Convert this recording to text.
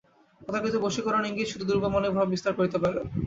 তথাকথিত বশীকরণ-ইঙ্গিত শুধু দুর্বল মনেই প্রভাব বিস্তার করিতে পারে।